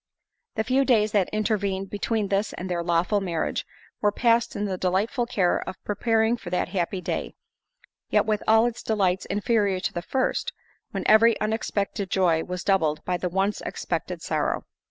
The few days that intervened between this and their lawful marriage, were passed in the delightful care of preparing for that happy day—yet, with all its delights inferior to the first, when every unexpected joy was doubled by the once expected sorrow.